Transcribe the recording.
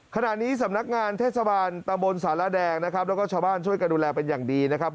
ขณะนี้สำนักงานเทศบาลตะบนสารแดงนะครับแล้วก็ชาวบ้านช่วยกันดูแลเป็นอย่างดีนะครับ